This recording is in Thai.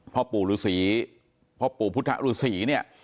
พ่อปู่รุศรีพ่อปู่พุทธรุศรีเนี่ย